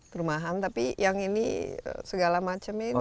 perumahan tapi yang ini segala macam ini